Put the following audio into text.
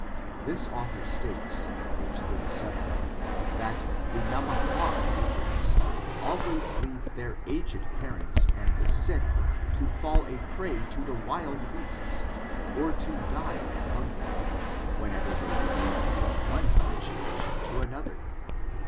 This author states, page 37, that the Namacqua negroes always leave their aged pa rents and the sick to fall a prey to the wild beasts, or to die of hunger, whenever they remove from one hab itation to another.